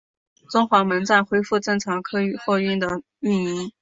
中华门站恢复正常客货运的运营。